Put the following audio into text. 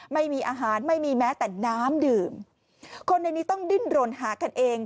ไม่มีอาหารไม่มีแม้แต่น้ำดื่มคนในนี้ต้องดิ้นรนหากันเอง